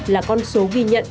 là con số ghi nhận